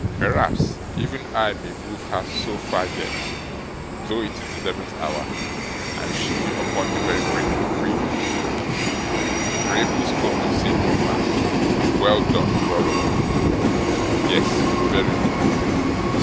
Perhaps even I may move her so far yet, though it is the eleventh hour, and she upon the very brink of ruin.' 'Bravely spoken!' said Newman. 'Well done, well done! Yes. Very good.